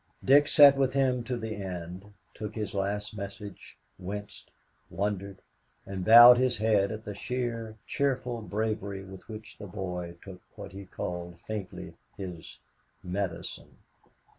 Dick sat with him to the end, took his last message winced, wondered, and bowed his head at the sheer, cheerful bravery with which the boy took what he called faintly his "medicine."